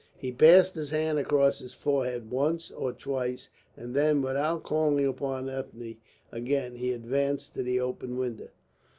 He passed his hand across his forehead once or twice, and then, without calling upon Ethne again, he advanced to the open window.